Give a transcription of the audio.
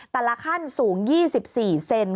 แต่ละขั้นสูง๒๔เซนติเซนติเซนติ